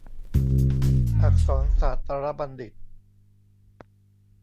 อักษรศาสตรบัณฑิต